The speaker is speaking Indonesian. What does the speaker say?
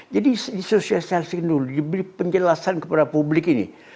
jadi di sosialisasi dulu diberi penjelasan kepada publik ini